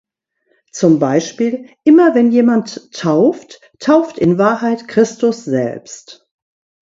Zum Beispiel: Immer wenn jemand tauft, tauft in Wahrheit Christus selbst.